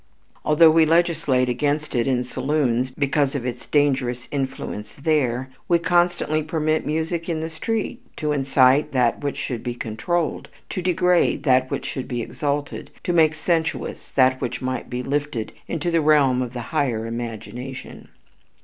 Although we legislate against it in saloons because of its dangerous influence there, we constantly permit music on the street to incite that which should be controlled, to degrade that which should be exalted, to make sensuous that which might be lifted into the realm of the higher imagination.